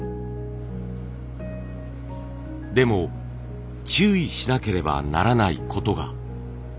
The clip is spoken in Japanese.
でも注意しなければならないことが。